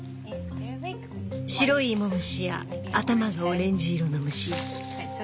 白い芋虫や頭がオレンジ色の虫や。